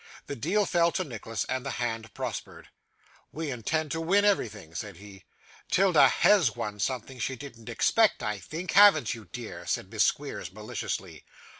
The deal fell to Nicholas, and the hand prospered. 'We intend to win everything,' said he. ''Tilda HAS won something she didn't expect, I think, haven't you, dear?' said Miss Squeers, maliciously.